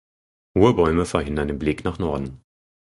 Hohe Bäume verhindern den Blick nach Norden.